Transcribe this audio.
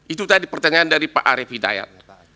itu tadi pertanyaan dari pak arief hidayat